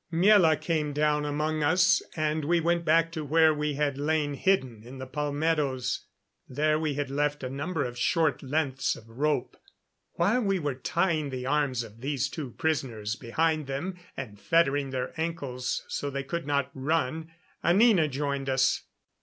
Miela came down among us, and we went back to where we had lain hidden in the palmettos. There we had left a number of short lengths of rope. While we were tying the arms of these two prisoners behind them and fettering their ankles so they could not run Anina joined us.